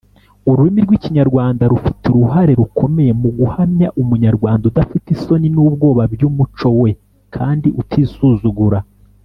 Ururimi rw’ikinyarwanda rufite uruhare rukomeye mu guhamya Umunyarwanda udafite isoni n’ubwoba by’umuco we kandi utisuzugura.